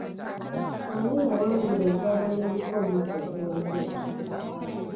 Ani yawangula engabo y’ebika omwaka oguwedde?